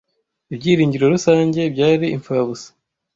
Ibyiringiro rusange, byari impfabusa!